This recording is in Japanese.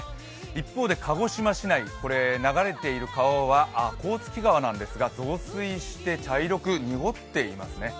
一方で鹿児島市内、流れている川は甲突川なんですが、増水して茶色く濁っていますね。